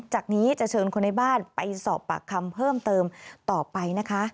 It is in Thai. จากนี้จะเชิญคนในบ้านไปสอบปากคำเพิ่มเติมต่อไปนะคะ